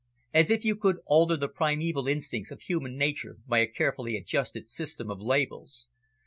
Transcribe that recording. "As if you could alter the primeval instincts of human nature by a carefully adjusted system of labels.